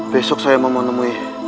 besok saya memenemui